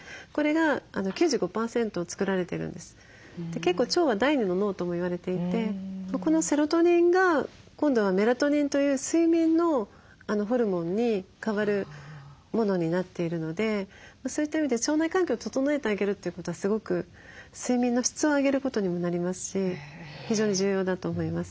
結構腸は第２の脳とも言われていてこのセロトニンが今度はメラトニンという睡眠のホルモンに変わるものになっているのでそういった意味で腸内環境を整えてあげるということはすごく睡眠の質を上げることにもなりますし非常に重要だと思います。